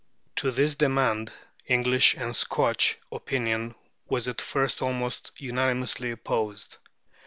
To this demand English and Scotch opinion was at first almost unanimously opposed.